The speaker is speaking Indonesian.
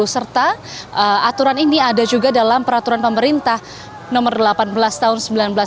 serta aturan ini ada juga dalam peraturan pemerintah nomor delapan belas tahun seribu sembilan ratus sembilan puluh